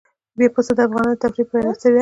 پسه د افغانانو د تفریح لپاره یوه وسیله ده.